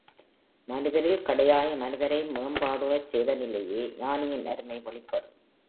மனிதரில் கடையாய மனிதரை மேம்பாடுறச் செய்தலிலேயே ஞானியின் அருமை வெளிப்படும்.